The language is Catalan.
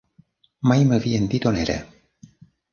Mai m'havien dit on era.